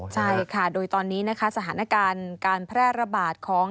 ใช่ค่ะโดยตอนนี้นะคะสถานการณ์การแพร่ระบาดของ